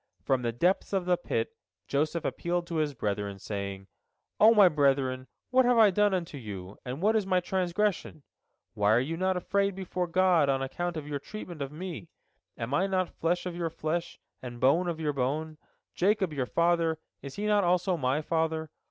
From the depths of the pit Joseph appealed to his brethren, saying: "O my brethren, what have I done unto you, and what is my transgression? Why are you not afraid before God on account of your treatment of me? Am I not flesh of your flesh, and bone of your bone? Jacob your father, is he not also my father?